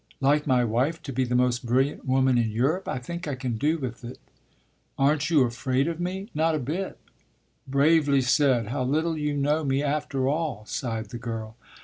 "Like my wife to be the most brilliant woman in Europe? I think I can do with it." "Aren't you afraid of me?" "Not a bit." "Bravely said. How little you know me after all!" sighed the girl.